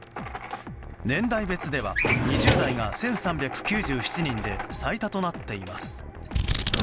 年代別では２０代が１３９７人で最多となっています。